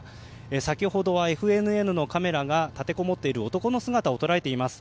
先ほどはＦＮＮのカメラが立てこもっている男の姿を捉えていました。